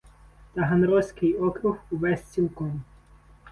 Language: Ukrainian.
Таганрозький округ увесь цілком.